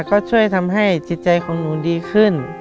ก็ช่วยทำให้จิตใจของหนูดีขึ้น